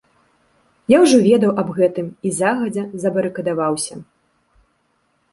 Я ўжо ведаў аб гэтым і загадзя забарыкадаваўся.